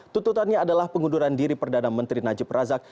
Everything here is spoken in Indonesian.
tuntutannya adalah pengunduran diri perdana menteri najib razak